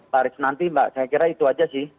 paris nanti mbak saya kira itu aja sih